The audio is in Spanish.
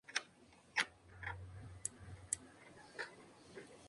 Sus restos se encuentran en el cementerio de Carolina llamado Puerto Rico Memorial.